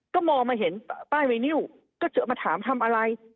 ก็มองมาเห็นป้ายไวนิวก็เจอมาถามทำอะไร